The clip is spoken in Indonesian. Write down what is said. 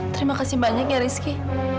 terima kasih banyak ya rizky